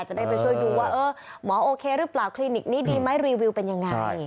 จะได้ไปช่วยดูว่าเออหมอโอเคหรือเปล่าคลินิกนี้ดีไหมรีวิวเป็นยังไง